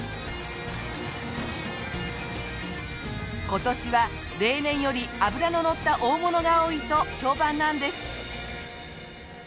今年は例年より脂ののった大物が多いと評判なんです。